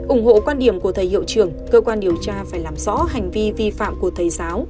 ủng hộ quan điểm của thầy hiệu trưởng cơ quan điều tra phải làm rõ hành vi vi phạm của thầy giáo